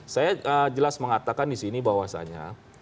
saya jelas mengatakan disini bahwasanya